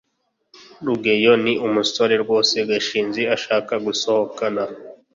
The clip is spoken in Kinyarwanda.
rugeyo ni umusore rwose gashinzi ashaka gusohokana